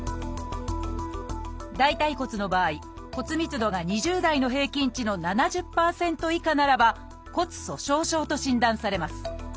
大腿骨の場合骨密度が２０代の平均値の７０％以下ならば骨粗しょう症と診断されます。